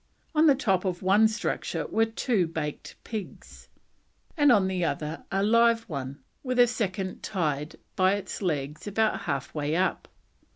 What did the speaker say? On the top of one structure were two baked pigs, and on the other alive one, with a second tied by its legs about half way up.